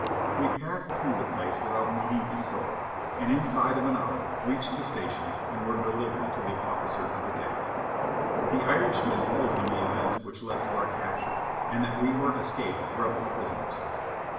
We passed through the place without meeting a soul, and inside of an hour reached the station and were delivered to the ofificer of the day. The Irishman told him the events which led to our capture, and that we were escaped Rebel prisoners.